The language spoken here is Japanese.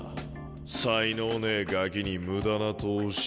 才能ねえガキに無駄な投資。